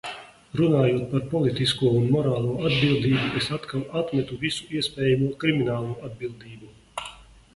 Runājot par politisko un morālo atbildību, es atkal atmetu visu iespējamo kriminālo atbildību.